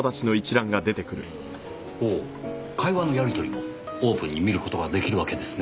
ほう会話のやり取りもオープンに見る事が出来るわけですね。